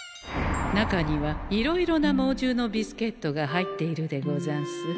中にはいろいろな猛獣のビスケットが入っているでござんす。